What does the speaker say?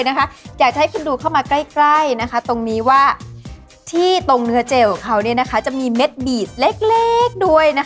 อยากจะให้คุณดูเข้ามาใกล้ตรงนี้ว่าที่ตรงเนื้อเจลของเขาจะมีเม็ดบีดเล็กด้วย